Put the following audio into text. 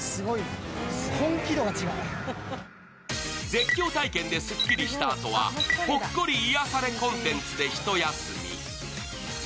絶叫体験ですっきりしたあとはほっこり癒やされコンテンツでひと休み。